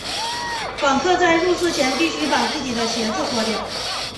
访客在入寺前必须把自己的鞋子脱掉。